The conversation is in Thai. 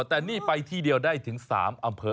แต่นี่ไปที่เดียวได้ถึง๓อำเภอ